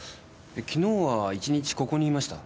昨日は１日ここにいました。